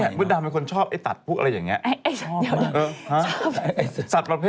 เนี่ยพุทธดามเป็นคนชอบไอ้ตัดพวกอะไรอย่างเนี่ยชอบ